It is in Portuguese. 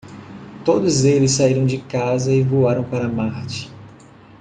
Todos eles saíram de casa e voaram para Marte.